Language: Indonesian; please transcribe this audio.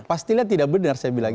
pastinya tidak benar saya bilang